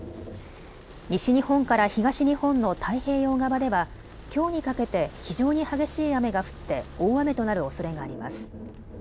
西日本から東日本の太平洋側ではきょうにかけて非常に激しい雨が降って大雨となるおそれがあります。